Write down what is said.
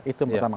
itu yang pertama